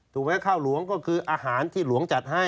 ถูกไหมข้าวหลวงก็คืออาหารที่หลวงจัดให้